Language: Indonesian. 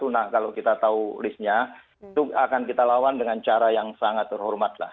nah kalau kita tahu listnya itu akan kita lawan dengan cara yang sangat terhormat lah